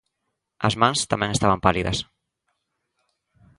As mans tamén estaban pálidas.